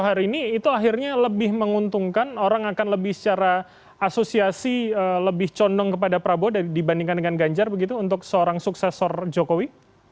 hari ini itu akhirnya lebih menguntungkan orang akan lebih secara asosiasi lebih condong kepada prabowo dibandingkan dengan ganjar begitu untuk seorang suksesor jokowi